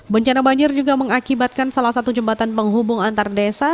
bencana banjir juga mengakibatkan salah satu jembatan penghubung antar desa